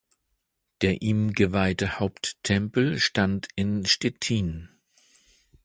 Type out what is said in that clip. Der ihm geweihte Haupttempel stand in Stettin.